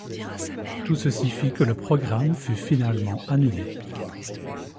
Tout ceci fit que le programme fut finalement annulé.